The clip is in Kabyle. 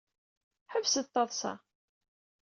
Ḥebset taḍsa.